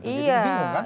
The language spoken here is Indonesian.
jadi bingung kan